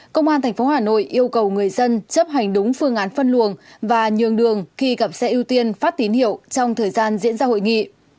công an tp hà nội yêu cầu người dân chấp hành đúng phương án phân luồng và nhường đường khi gặp xe ưu tiên phát tín hiệu trong thời gian diễn ra hội nghị